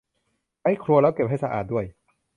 ใช้ครัวแล้วเก็บให้สะอาดด้วย